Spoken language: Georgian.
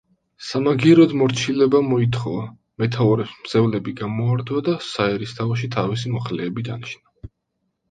სამაგიეროდ მორჩილება მოითხოვა, მეთაურებს მძევლები გამოართვა და საერისთავოში თავისი მოხელეები დანიშნა.